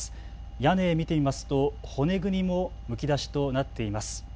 屋根、見てみますと骨組みもむき出しとなっています。